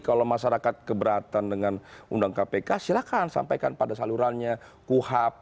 kalau masyarakat keberatan dengan undang kpk silahkan sampaikan pada salurannya kuhap